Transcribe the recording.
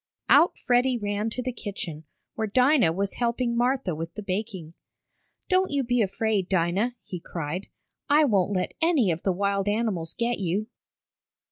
Out Freddie ran to the kitchen, where Dinah was helping Martha with the baking. "Don't you be afraid, Dinah!" he cried. "I won't let any of the wild animals get you!"